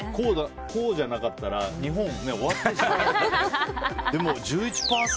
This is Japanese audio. こうじゃなかったら日本終わってしまう。